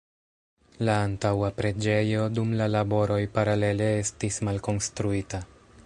La antaŭa preĝejo dum la laboroj paralele estis malkonstruita.